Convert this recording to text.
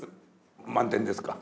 満点ですか？